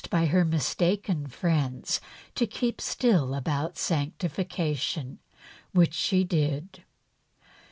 by her mistaken friends to keep still about sanctification, whi( h she did.